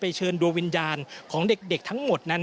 เชิญดวงวิญญาณของเด็กทั้งหมดนั้น